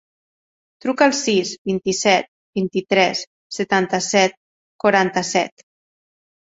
Truca al sis, vint-i-set, vint-i-tres, setanta-set, quaranta-set.